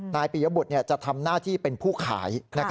ปียบุตรจะทำหน้าที่เป็นผู้ขาย